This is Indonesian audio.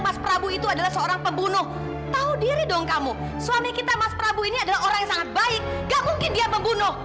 mas prabu ini adalah orang yang sangat baik gak mungkin dia membunuh